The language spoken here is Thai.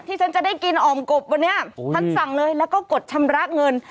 ฉันจะได้กินอ่อมกบวันนี้ท่านสั่งเลยแล้วก็กดชำระเงิน